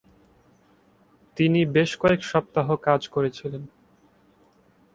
তিনি বেশ কয়েক সপ্তাহ কাজ করেছিলেন।